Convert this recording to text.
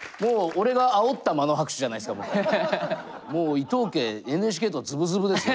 いやもうもう伊藤家ＮＨＫとズブズブですね。